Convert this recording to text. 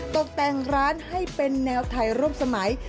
ตกแต่งร้านให้เป็นแนวไทยร่วมสมัย